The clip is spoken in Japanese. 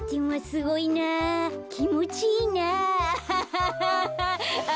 きもちいいなあ。